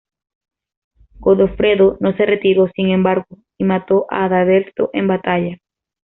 Godofredo no se retiró, sin embargo, y mató a Adalberto en batalla.